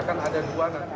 akan ada dua nanti